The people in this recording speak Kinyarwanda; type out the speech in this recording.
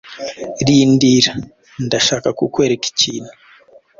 Rindira. Ndashaka kukwereka ikintu.